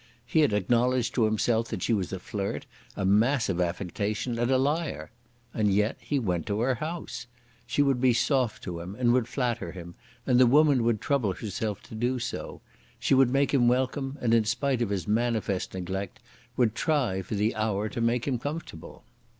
He had acknowledged to himself that she was a flirt, a mass of affectation, and a liar. And yet he went to her house. She would be soft to him and would flatter him, and the woman would trouble herself to do so. She would make him welcome, and in spite of his manifest neglect would try, for the hour, to make him comfortable.